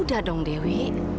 udah dong dewi